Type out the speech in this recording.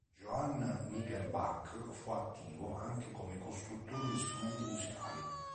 Johann Michael Bach fu attivo anche come costruttore di strumenti musicali.